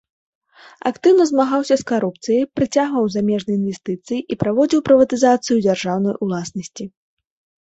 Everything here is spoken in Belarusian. Актыўна змагаўся з карупцыяй, прыцягваў замежныя інвестыцыі і праводзіў прыватызацыю дзяржаўнай уласнасці.